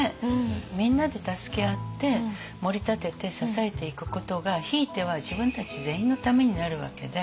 みんなで助け合ってもり立てて支えていくことがひいては自分たち全員のためになるわけで。